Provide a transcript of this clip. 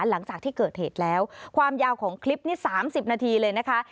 หลังจากที่เกิดเหตุแล้วความยาวของคลิปนี้๓๐นาทีเลยนะคะ